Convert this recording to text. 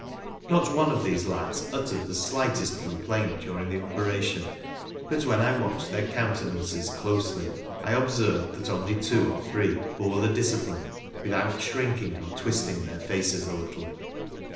Not one of these lads uttered the slightest complaint during the operation ; but when I watched their countenances closely, I observed that only two or three bore the discipline without shrinking or twisting their faces a little.